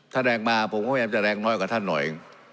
ถ้าแรงมาผมก็ไม่อาจจะแรงน้อยกับท่านหน่อย